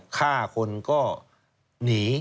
ฆ่าคนก็หนี